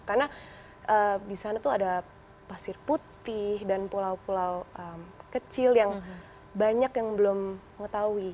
karena di sana tuh ada pasir putih dan pulau pulau kecil yang banyak yang belum mengetahui gitu